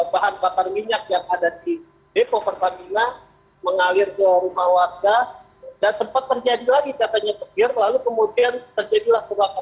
bahan bakar minyak yang ada di depo pertamina mengalir ke rumah warga dan sempat terjadi lagi katanya petir lalu kemudian terjadilah kebakaran